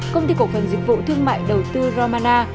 công ty cổ phần dịch vụ thương mại đầu tư romana